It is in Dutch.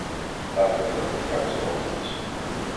Laten wij dat niet uit het oog verliezen.